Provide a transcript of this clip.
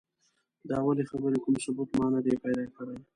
د اولې خبرې کوم ثبوت ما نه دی پیدا کړی.